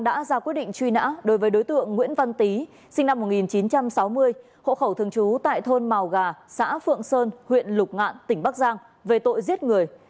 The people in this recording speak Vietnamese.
đã ra quyết định truy nã đối với đối tượng nguyễn văn tý sinh năm một nghìn chín trăm sáu mươi hộ khẩu thường trú tại thôn mò gà xã phượng sơn huyện lục ngạn tỉnh bắc giang về tội giết người